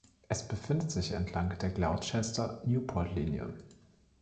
Es befindet sich entlang der Gloucester-Newport-Linie.